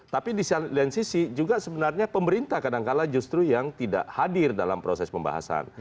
tapi di sisi lain juga sebenarnya pemerintah kadang kadang justru yang tidak hadir dalam proses pembahasan